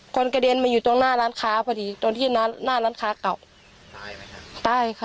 กระเด็นมาอยู่ตรงหน้าร้านค้าพอดีตรงที่หน้าร้านค้าเก่าตายไหมครับตายค่ะ